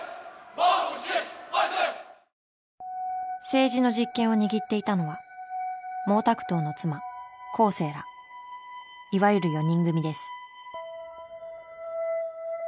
政治の実権を握っていたのは毛沢東の妻江青らいわゆる「四人組」です。